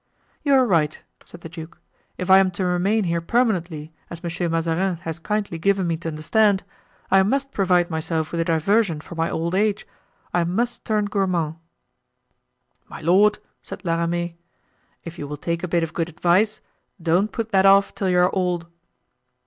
"You are right," said the duke. "If I am to remain here permanently, as Monsieur Mazarin has kindly given me to understand, I must provide myself with a diversion for my old age, I must turn gourmand." "My lord," said La Ramee, "if you will take a bit of good advice, don't put that off till you are old."